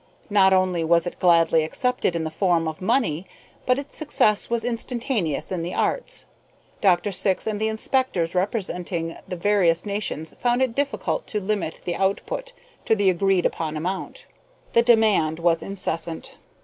Not only was it gladly accepted in the form of money, but its success was instantaneous in the arts. Dr. Syx and the inspectors representing the various nations found it difficult to limit the output to the agreed upon amount. The demand was incessant.